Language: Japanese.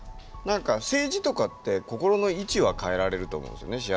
政治とかって心の位置は変えられると思うんですよね。